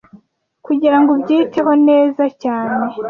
kugirango ubyiteho neza cyane